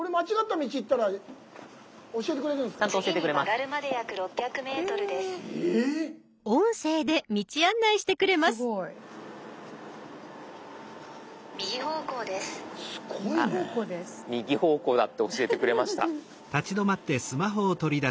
あっ右方向だって教えてくれました。